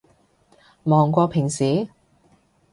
忙過平時？